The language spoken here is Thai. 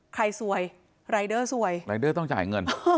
สวยรายเดอร์สวยรายเดอร์ต้องจ่ายเงิน